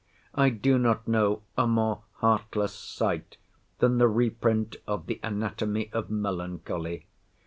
I do not know a more heartless sight than the reprint of the Anatomy of Melancholy.